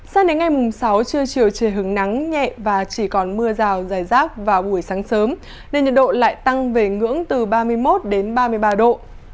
sang đến ngày sáu trưa chiều trời hứng nắng nhẹ và chỉ còn mưa rào giải rác vào buổi sáng sớm nên nhiệt độ lại tăng về ngưỡng từ ba mươi một đến ba mươi ba độ